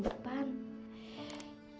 bisa dibayar bulan depan